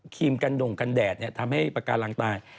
ครีมกันด่งกันแดดเนี่ยทำให้ปาการังตาย